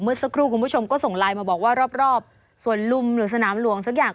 สักครู่คุณผู้ชมก็ส่งไลน์มาบอกว่ารอบส่วนลุมหรือสนามหลวงสักอย่าง